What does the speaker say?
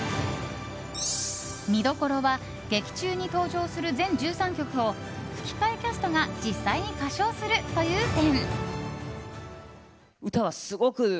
見どころは劇中に登場する全１３曲を実際に歌唱するという点。